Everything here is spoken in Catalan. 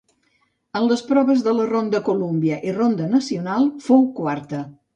En les proves de la ronda Columbia i ronda Nacional fou quarta.